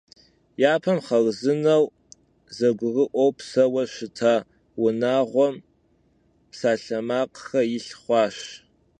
Yapem xharzıneu zegurı'ueu pseuue şıta vunağuem psalhemakhxer yilh xhuaş.